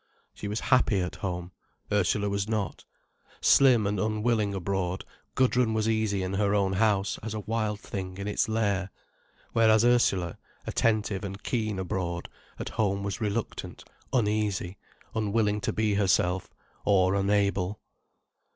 She was happy at home, Ursula was not. Slim and unwilling abroad, Gudrun was easy in her own house as a wild thing in its lair. Whereas Ursula, attentive and keen abroad, at home was reluctant, uneasy, unwilling to be herself, or unable.